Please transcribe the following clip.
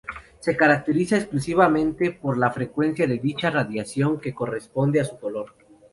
Se caracteriza exclusivamente por la frecuencia de dicha radiación que corresponde a su color.